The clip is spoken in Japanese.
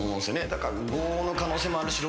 だから。